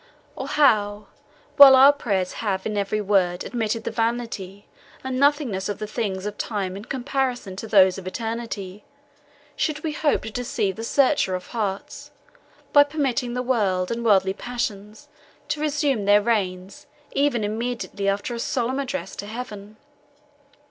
or how, while our prayers have in every word admitted the vanity and nothingness of the things of time in comparison to those of eternity, should we hope to deceive the Searcher of Hearts, by permitting the world and worldly passions to reassume the reins even immediately after a solemn address to Heaven!